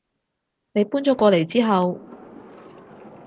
你搬咗過嚟之後